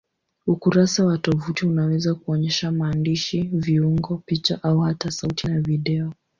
Ukurasa wa tovuti unaweza kuonyesha maandishi, viungo, picha au hata sauti na video.